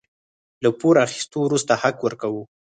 له پور اخيستو وروسته حق ورکوو.